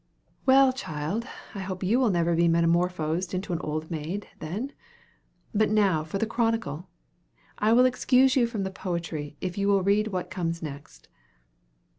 "Well, child, I hope you never will be metamorphosed into an old maid, then. But now for the Chronicle I will excuse you from the poetry, if you will read what comes next."